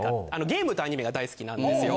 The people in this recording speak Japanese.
ゲームとアニメが大好きなんですよ。